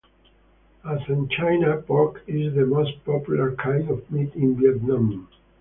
As in China, pork is the most popular kind of meat in Vietnam.